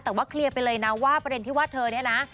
แต่ว่าเคลียร์ไปเลยนะว่าประเด็นที่ว่าเธอเนี่ยนะ